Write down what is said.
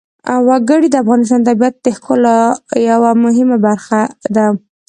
وګړي د افغانستان د طبیعت د ښکلا یوه مهمه برخه ده.